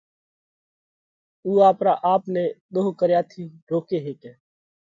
اُو آپرا آپ نئہ ۮوه ڪريا ٿِي روڪي هيڪئه۔